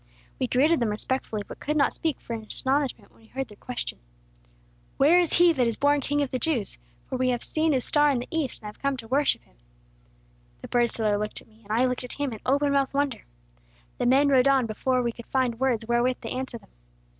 "We greeted them respectfully, but could not speak for astonishment when we heard their question: "'Where is he that is born king of the Jews? For we have seen his star in the East, and have come to worship him.' The bird seller looked at me, and I looked at him in open mouthed wonder. The men rode on before we could find words wherewith to answer them.